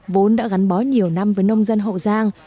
vốn đã gắn bó nhiều năm với nông dân hậu giang